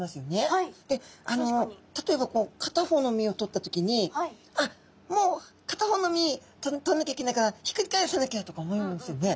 例えばこう片方の身を取った時にあっもう片方の身取んなきゃいけないからひっくり返さなきゃとか思いますよね。